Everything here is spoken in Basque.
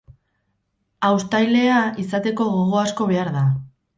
Haustailea izateko gogo asko behar da.